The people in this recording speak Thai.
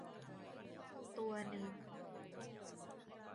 ตัวนึง